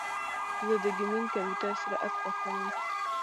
زه د ګیمنګ کمپیوټر سرعت خوښوم.